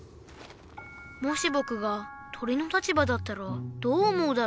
もしぼくが鳥の立場だったらどう思うだろう。